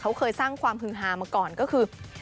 เขาเคยสร้างความฮือฮามาก่อนก็คือ